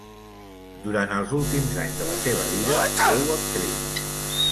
Durant els últims anys de la seva vida fou actriu.